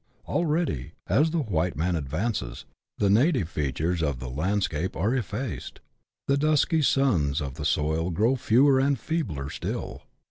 Already, as the white man advances, the native features of the landscape are effaced, the dusky sons of the soil grow fewer and feebler still.